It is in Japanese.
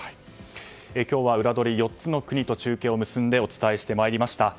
今日はウラどり４つの国と中継を結んでお伝えしてまいりました。